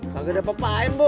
gak ada apa apain bu